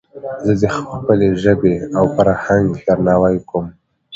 زه د خپلي ژبي او فرهنګ درناوی کوم.